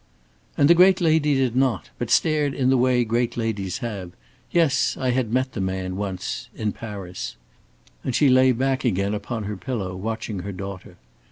"And the great lady did not, but stared in the way great ladies have. Yes, I had met the man once in Paris," and she lay back again upon her pillow, watching her daughter.